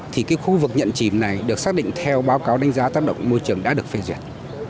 thì khu vực nhận chìm này được xác định theo báo cáo đánh giá tất động môi trường đã được phê diệt